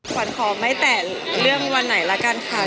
ขวัญขอไม่แต่เรื่องวันไหนละกันค่ะ